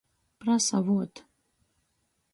Prasavuot.